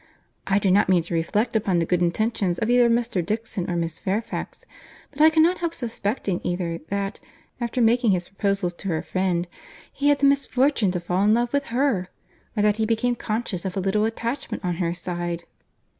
—I do not mean to reflect upon the good intentions of either Mr. Dixon or Miss Fairfax, but I cannot help suspecting either that, after making his proposals to her friend, he had the misfortune to fall in love with her, or that he became conscious of a little attachment on her side.